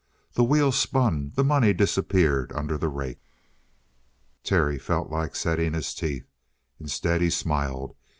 The wheel spun the money disappeared under the rake. Terry felt like setting his teeth. Instead, he smiled.